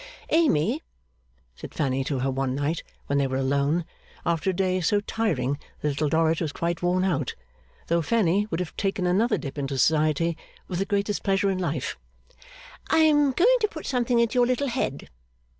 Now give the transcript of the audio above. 'Amy,' said Fanny to her one night when they were alone, after a day so tiring that Little Dorrit was quite worn out, though Fanny would have taken another dip into society with the greatest pleasure in life, 'I am going to put something into your little head.